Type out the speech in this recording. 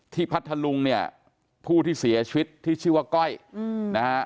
พัทธลุงเนี่ยผู้ที่เสียชีวิตที่ชื่อว่าก้อยนะฮะ